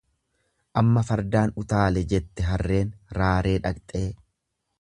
Amma fardaan utaale jette harreen raaree dhaqxee.